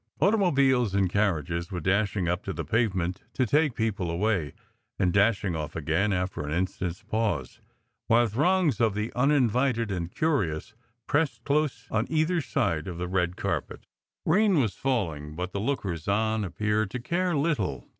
Automobiles and carriages were dashing up to the pavement to take people away, and dash ing off again after an instant s pause, while throngs of the uninvited and curious pressed close on either side of the red carpet. Rain was falling, but the lookers on appeared to care little.